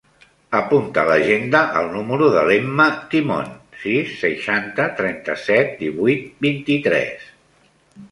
Apunta a l'agenda el número de l'Emma Timon: sis, seixanta, trenta-set, divuit, vint-i-tres.